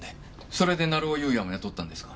それで成尾優也も雇ったんですか？